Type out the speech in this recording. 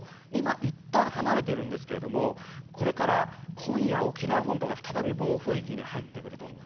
今、いったん離れていますが今夜、沖縄本島が再び暴風域に入ってきます。